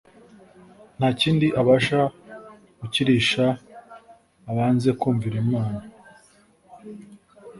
Ntakindi abasha gukirisha abanze kumvira Imana